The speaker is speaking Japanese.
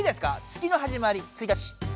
月のはじまり１日。